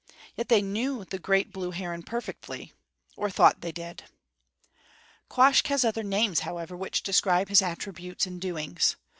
Yet they knew the great blue heron perfectly or thought they did. Quoskh has other names, however, which describe his attributes and doings.